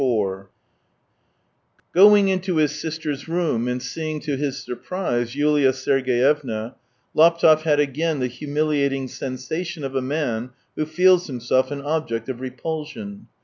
IV Going into his sister's room, and seeing to his surprise Yulia Sergeyevna, Laptev had again the humiliating sensation of a man who feels himself an object of repulsion.